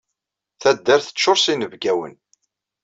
Taddart teččuṛ s yinebgawen.